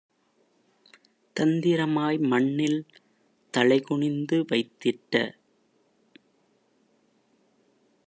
தந்திரமாய் மண்ணில் தலைகுனிந்து வைத்திட்ட